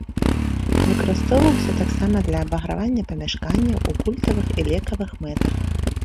Выкарыстоўваўся таксама для абагравання памяшканняў, у культавых і лекавых мэтах.